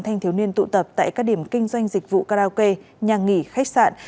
thanh thiếu niên tụ tập tại các điểm kinh doanh dịch vụ karaoke nhà nghỉ khách sạn